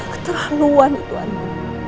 keterlaluan itu andin